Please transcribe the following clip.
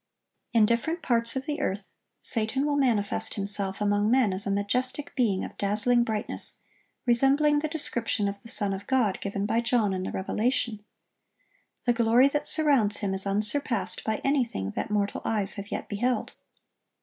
In different parts of the earth, Satan will manifest himself among men as a majestic being of dazzling brightness, resembling the description of the Son of God given by John in the Revelation.(1065) The glory that surrounds him is unsurpassed by anything that mortal eyes have yet beheld.